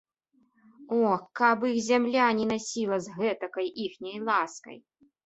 О, каб іх зямля не насіла з гэтакай іхняй ласкай!